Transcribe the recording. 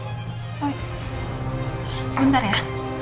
oi sebentar ya